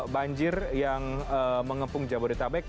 banjir yang mengepung jabodetabek